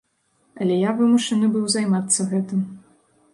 Але я вымушаны быў займацца гэтым.